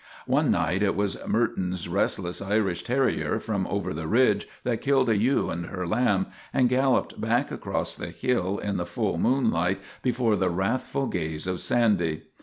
One night it was Morton's restless Irish terrier from over the ridge that killed a ewe and her lamb, and galloped back across the hill in the full moon light before the wrathful gaze of Sandy.